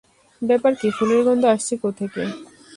ব্যাপার কী ফুলের গন্ধ আসছে কোথেকে?